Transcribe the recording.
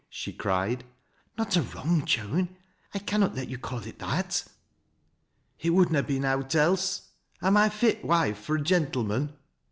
" she cried. " Not a wrong, Joan — 1 can not let you call it that." " It would na be nowt else. Am / fit wife fur a gen tlemen